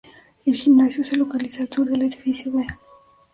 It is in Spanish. El Gimnasio se localiza al Sur del Edificio "B".